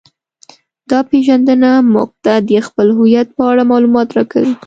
دا پیژندنه موږ ته د خپل هویت په اړه معلومات راکوي